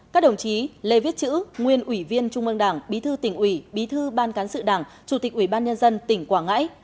các đồng chí lê viết chữ nguyên ủy viên trung ương đảng bí thư tỉnh ủy bí thư ban cán sự đảng chủ tịch ủy ban nhân dân tỉnh quảng ngãi